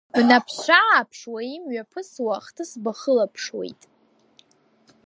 Бнаԥш-ааԥшуа имҩаԥысуа ахҭыс бахылаԥшуеит.